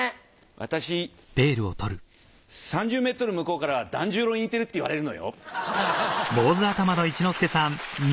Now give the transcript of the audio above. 私３０ｍ向こうからは團十郎に似てるって言われるのよ。